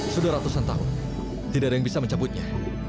sudah ratusan tahun tidak ada yang bisa mencabutnya